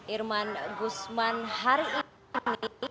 irman gusman hari ini